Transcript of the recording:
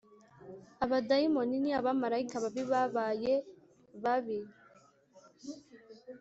Abadayimoni ni abamarayika babi Babaye babi